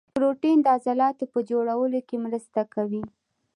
پروټین د عضلاتو په جوړولو کې مرسته کوي